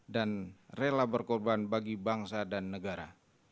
dan rela berkorban bagi bangsa dan negara